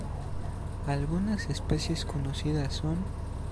Algunas especies conocidas son.